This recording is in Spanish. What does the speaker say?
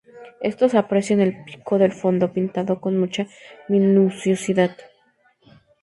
Esto se aprecia en el pico del fondo pintado con mucha minuciosidad.